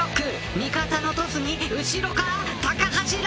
味方のトスに後ろから高橋藍